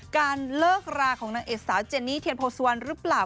การเลิกราของนางเอกสาวเจนนี่เทียนโพสุวรรณหรือเปล่า